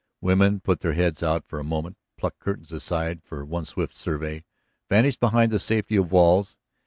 Women put their heads out for a moment, plucked curtains aside for one swift survey, vanished behind the safety of walls.